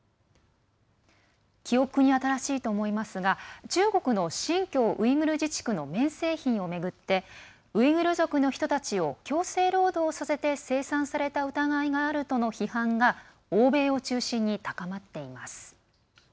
記憶に新しいと思いますが中国の新疆ウイグル自治区の綿製品を巡ってウイグル族の人たちを強制労働させて生産された疑いがあるとの批判が、欧米を中心に高まっています。